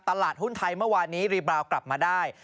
ตลาดหุ้นไทยเมื่อวานนี้รีบราวกลับมาได้